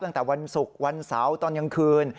ตั้งแต่วันศุกร์วันเสาร์ตอนกลางคืน